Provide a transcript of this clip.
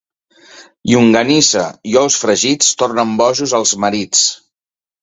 Llonganissa i ous fregits tornen bojos els marits.